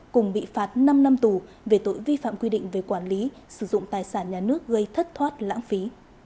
cùng bị phạt năm năm tù về tội vi phạm quy định về quản lý sử dụng tài sản nhà nước gây thất thoát lãng phí